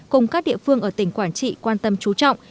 cùng các địa phương ở tỉnh quảng trị quan tâm trú trọng